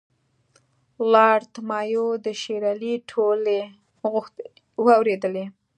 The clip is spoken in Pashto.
لارډ مایو د شېر علي ټولې غوښتنې واورېدلې.